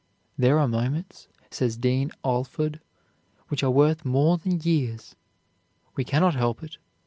"There are moments," says Dean Alford, "which are worth more than years. We cannot help it.